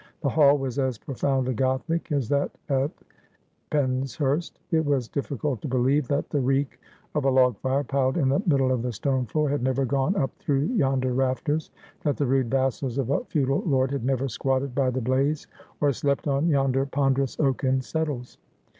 The hall was as profoundly Gothic as that at Penshurst — it was difiBcult to believe that the reek of a log fire piled in the middle of the stone floor had never gone up through yonder rafters, that the rude vassals of a feudal lord had never squatted bv the blaze, or slept on yonder ponderous oaken settles.